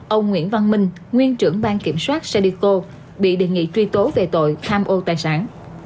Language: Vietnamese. ông nguyễn văn minh nguyên trưởng ban kiểm soát sadeco bị đề nghị truy tố về tội tham ô tài sản